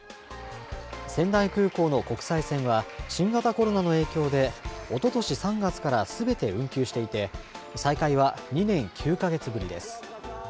仙台空港の国際線は、新型コロナの影響でおととし３月からすべて運休していて、再開は２年９か月ぶりです。